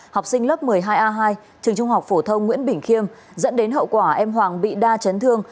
học sinh lớp một mươi hai a hai trường trung học phổ thông nguyễn bình khiêm dẫn đến hậu quả em hoàng bị đa chấn thương